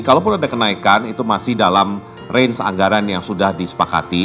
kalaupun ada kenaikan itu masih dalam range anggaran yang sudah disepakati